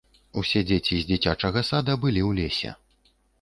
Усе дзеці з дзіцячага сада былі ў лесе.